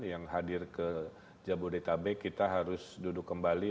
yang hadir ke jabodetabek kita harus duduk kembali